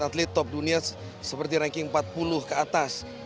atlet top dunia seperti ranking empat puluh ke atas